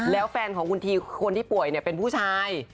แล้วแฟนของคุณทีคนที่ป่วยเป็นผู้ชาย